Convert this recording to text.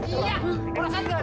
ya perasan kan